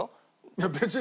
いや別に。